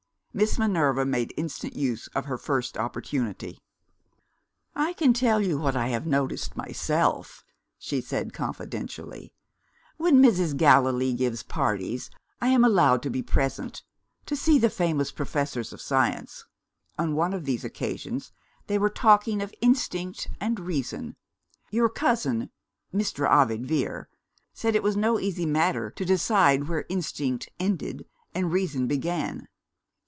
Miss Minerva made instant use of her first opportunity. "I can tell you what I have noticed myself," she said confidentially. "When Mrs. Gallilee gives parties, I am allowed to be present to see the famous professors of science. On one of these occasions they were talking of instinct and reason. Your cousin, Mr. Ovid Vere, said it was no easy matter to decide where instinct ended and reason began.